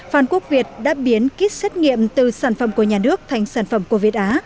phan quốc việt đã biến kit xét nghiệm từ sản phẩm của nhà nước thành sản phẩm của việt á